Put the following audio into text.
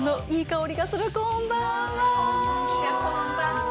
こんばんは。